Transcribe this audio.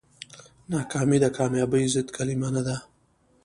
ناکامي د کامیابۍ ضد کلمه نه ده.